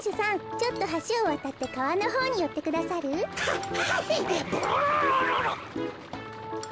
ちょっとはしをわたってかわのほうによってくださる？ははい。